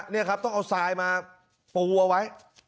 นี่ครับต้องเอาทรายมาปูเอาไว้